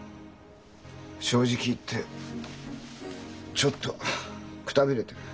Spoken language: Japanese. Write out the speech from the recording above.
正直言ってちょっとくたびれてる。